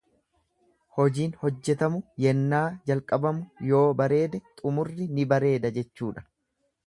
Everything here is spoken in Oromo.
hojiin hojjetamu yennaa jalqabamu yoo bareede xumurri ni bareeda jechuudha.